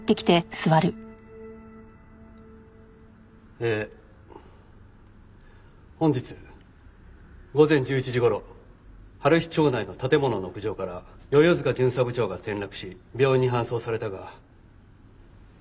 えー本日午前１１時頃春陽町内の建物の屋上から世々塚巡査部長が転落し病院に搬送されたが。